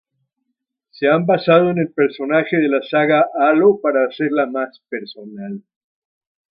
Se han basado en el personaje de la saga Halo para hacerla más "personal".